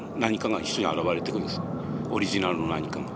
オリジナルの何かが。